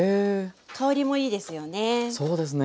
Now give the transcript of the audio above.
香りもいいですよね。